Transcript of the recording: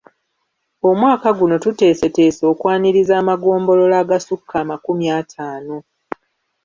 Omwaka guno tuteeseteese okwaniriza amagombolola agasukka amakumi ataano.